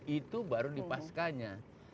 itu baru dipaskanya